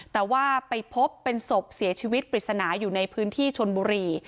แต่ว่าไปพบเป็นศพเสียชีวิตปริศนาอยู่ในพื้นที่ชนบุรี